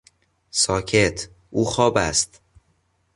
ساکت! او خواب است.